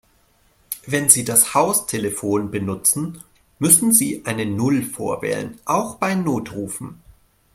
Wenn Sie das Haustelefon benutzen, müssen Sie eine Null vorwählen, auch bei Notrufen.